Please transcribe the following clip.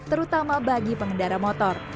terutama bagi pengendara motor